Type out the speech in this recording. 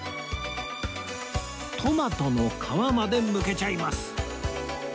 トマトの皮までむけちゃいます